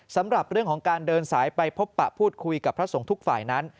สำหรับเรื่องของการเดินสายไปพบปะพูดคุยกับพระสงฆ์ทุกฝ่ายนั้น